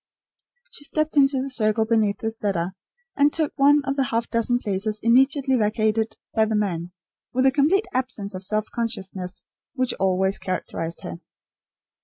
She stepped into the circle beneath the cedar, and took one of the half dozen places immediately vacated by the men, with the complete absence of self consciousness which always characterised her.